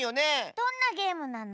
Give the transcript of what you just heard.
どんなゲームなの？